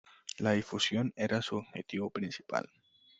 La difusión era su objetivo principal.